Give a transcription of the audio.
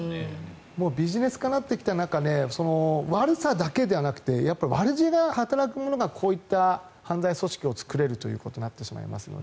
ビジネス化なってきた中で悪さだけではなくて悪知恵が働く者がこういった犯罪組織を作れることになってしまうので。